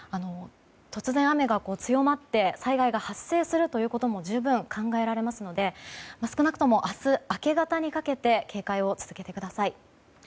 突然、雨が強まって災害が発生するということも十分に考えられますので少なくとも明日明け方にかけて警戒を続けてください。